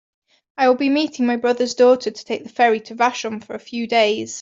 I will be meeting my brother's daughter to take the ferry to Vashon for a few days.